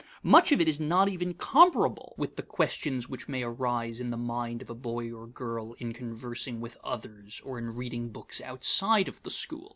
Much of it is not even comparable with the questions which may arise in the mind of a boy or girl in conversing with others or in reading books outside of the school.